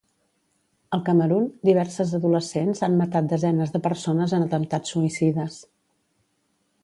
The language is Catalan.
Al Camerun, diverses adolescents han matat desenes de persones en atemptats suïcides.